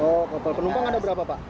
oh kapal penumpang ada berapa pak